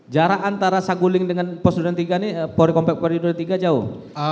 jarak antara sakuling dengan pos dua puluh tiga ini polri kompleks polri dua puluh tiga jauh